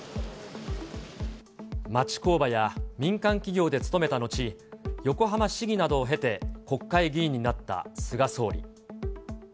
町工場や民間企業で勤めたのち、横浜市議などを経て国会議員になった菅総理。